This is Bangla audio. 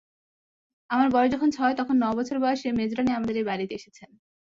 আমার বয়স যখন ছয় তখন ন বছর বয়সে মেজোরানী আমাদের এই বাড়িতে এসেছেন।